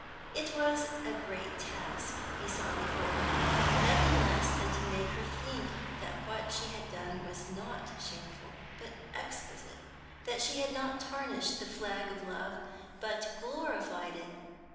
It was a great task he saw before him nothing less than to make her think that what she had done was not shameful, but exquisite; that she had not tarnished the flag of love, but glorified it.